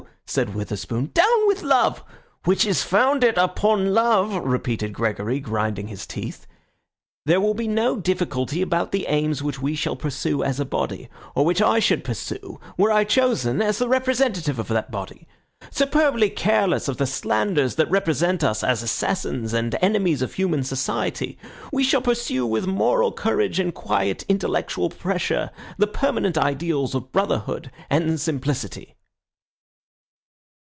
said Witherspoon, "down with love." "Which is founded upon love," repeated Gregory, grinding his teeth, "there will be no difficulty about the aims which we shall pursue as a body, or which I should pursue were I chosen as the representative of that body. Superbly careless of the slanders that represent us as assassins and enemies of human society, we shall pursue with moral courage and quiet intellectual pressure, the permanent ideals of brotherhood and simplicity."